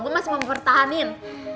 gue masih mau mempertahankan